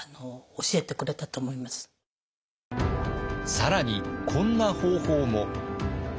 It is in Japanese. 更にこんな方法も。